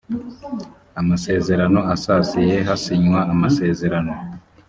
amasezerano asasiye hasinywa amasezerano